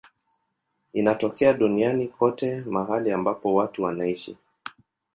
Inatokea duniani kote mahali ambapo watu wanaishi.